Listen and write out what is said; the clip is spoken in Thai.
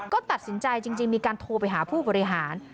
ก็ตัดสินใจจริงมีการโทรไปหาผู้บริหาร